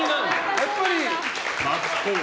やっぱり。